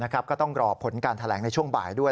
ก็ต้องรอผลการแถลงในช่วงบ่ายด้วย